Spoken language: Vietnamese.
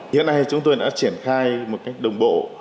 hiện nay chúng tôi đã triển khai một cách đồng bộ